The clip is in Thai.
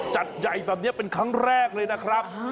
จัดใหญ่แบบนี้เป็นครั้งแรกเลยนะครับ